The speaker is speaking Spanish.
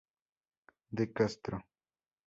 De Castro, Jr.